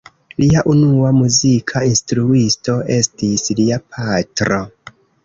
Lia unua muzika instruisto estis lia patro.